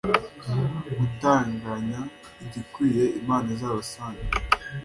gutunganya igikwiye, imana izabasange